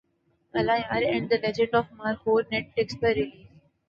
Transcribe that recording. Allah Yar and the legend of Markhor Netflix پر release